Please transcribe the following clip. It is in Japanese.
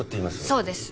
そうです。